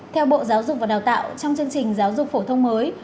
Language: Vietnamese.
theo bộ giáo dục và đào tạo trong chương trình giáo dục phổ thông mới